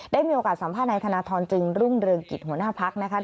ได้มีโอกาสสัมภาษณ์ธนทรจึงรุ่งเรืองกิจหัวหน้าพักนะคะ